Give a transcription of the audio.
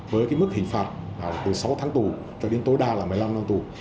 với mức hình phạt từ sáu tháng tù cho đến tối đa là một mươi năm tháng tù